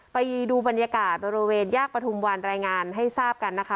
ไปดูบรรยากาศบริเวณแยกประทุมวันรายงานให้ทราบกันนะคะ